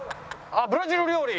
あっ「ブラジル料理」！